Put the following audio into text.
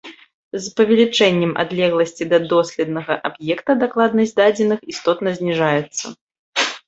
З павелічэннем адлегласці да доследнага аб'екта дакладнасць дадзеных істотна зніжаецца.